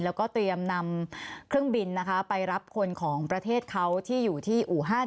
แล้วก็เตรียมนำเครื่องบินนะคะไปรับคนของประเทศเขาที่อยู่ที่อู่ฮัน